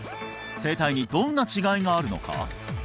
声帯にどんな違いがあるのか？